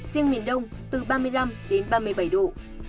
riêng miền đông từ ba mươi năm đến ba mươi bảy độ